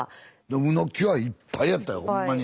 うのきはいっぱいやったよほんまに。